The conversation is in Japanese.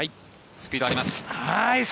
スピードあります。